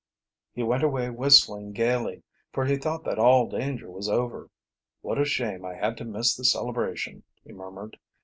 He went away whistling gayly, for he thought that all danger was over. "What a shame I had to miss the celebration," he murmured.